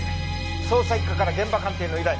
捜査一課から現場鑑定の依頼。